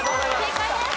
正解です。